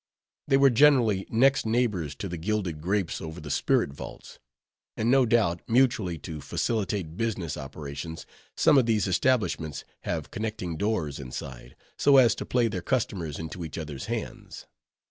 They were generally next neighbors to the gilded grapes over the spirit vaults; and no doubt, mutually to facilitate business operations, some of these establishments have connecting doors inside, so as to play their customers into each other's hands.